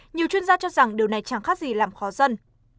nhiều chuyên gia cho rằng điều này chẳng khác gì làm khó dân